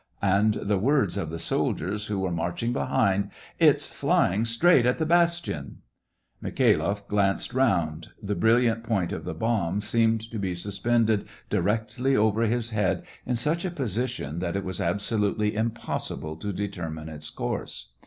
" and the words of the soldiers who were marching behind, " It's flying straight at the bastion !" Mikhailoff glanced round. The brilliant point SE VASTOPOL IN MA V. qq of the bomb seemed to be suspended directly over his head in such a position that it was abso lutely impossible to determine its course.